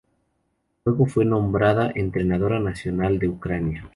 Luego fue nombrada entrenadora nacional de Ucrania.